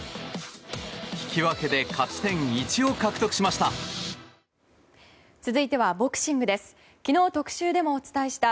引き分けで勝ち点１を獲得しました。